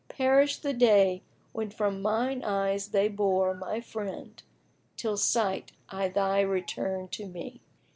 Perish the day, when from mine eyes they bore * My friend, till sight I thy return to me!"